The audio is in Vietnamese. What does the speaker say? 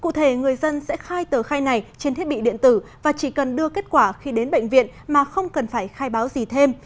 cụ thể người dân sẽ khai tờ khai này trên thiết bị điện tử và chỉ cần đưa kết quả khi đến bệnh viện mà không cần phải khai báo gì thêm